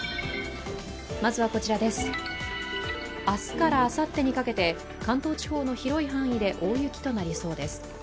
明日からあさってにかけて関東地方の広い範囲で大雪となりそうです。